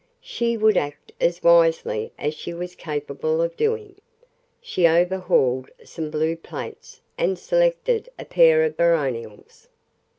She would act as wisely as she was capable of doing. She overhauled some blue plates and selected a pair of "Baronials."